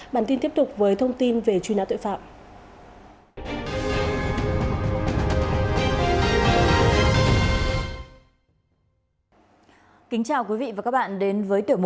bản tin tiếp tục với thông tin về truy nã tội phạm